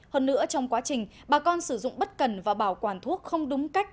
hơn nữa trong quá trình bà con sử dụng bất cần và bảo quản thuốc không đúng cách